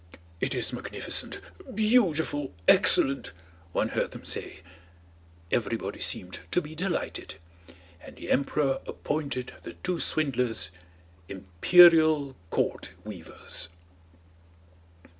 "It is magnificent, beautiful, excellent," one heard them say; everybody seemed to be delighted, and the emperor appointed the two swindlers "Imperial Court weavers."